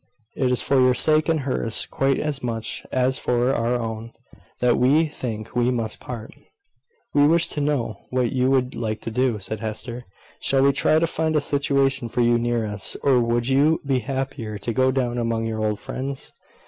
"It is for your sake and hers, quite as much as for our own, that we think we must part." "We wish to know what you would like to do," said Hester. "Shall we try to find a situation for you near us, or would you be happier to go down among your old friends?"